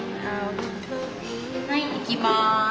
はいいきます。